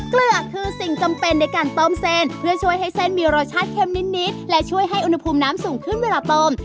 เกลือกคือสิ่งจำเป็นในการต้มเส้นเพื่อช่วยให้เส้นมีรสชาติเข้มนิดและช่วยให้อุณหภูมิน้ำสูงขึ้นเวลาเติม